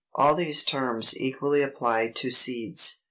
All these terms equally apply to seeds.